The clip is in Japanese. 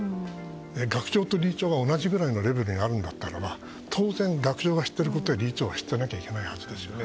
学長と理事長が同じぐらいのレベルにあるなら当然、学長が知っていて理事長も知っていなければいけないですよね。